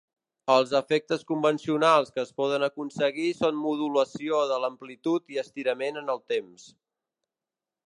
Els efectes convencionals que es poden aconseguir són modulació de l'amplitud i estirament en el temps.